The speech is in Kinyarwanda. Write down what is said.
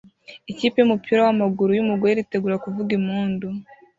Ikipe yumupira wamaguru yumugore iritegura kuvuga impundu